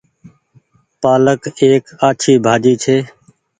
پآلڪ ايڪ آڇي ڀآڃي ڇي۔